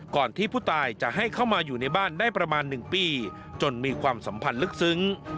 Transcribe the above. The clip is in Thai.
ก่อนที่ผู้ตายจะให้เข้ามาอยู่ในบ้านได้ประมาณ๑ปีจนมีความสัมพันธ์ลึกซึ้ง